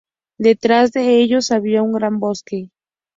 Detrás de ellos había un gran bosque.